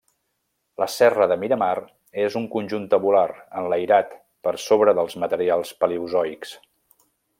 La serra de Miramar és un conjunt tabular, enlairat per sobre dels materials paleozoics.